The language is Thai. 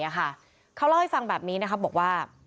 เขาเล่าให้ฟังแบบนี้นะครับบอกว่า